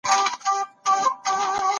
تېری کوونکی به پښېمانه سي.